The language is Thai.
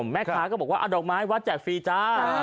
แม่ค้าก็บอกว่าเอาดอกไม้วัดแจกฟรีจ้า